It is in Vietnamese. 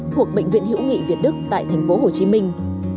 thuộc bệnh viện hữu nghị việt đức tại thành phố hồ chí minh